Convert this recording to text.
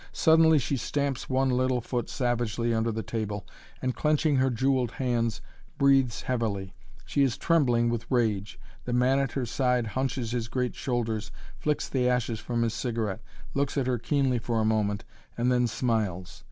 Suddenly she stamps one little foot savagely under the table, and, clenching her jeweled hands, breathes heavily. She is trembling with rage; the man at her side hunches his great shoulders, flicks the ashes from his cigarette, looks at her keenly for a moment, and then smiles.